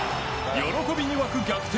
喜びに沸く逆転